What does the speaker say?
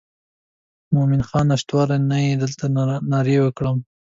مومن خان نشتوالی نو یې دلته نارې وکړې.